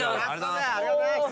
ありがとうございます。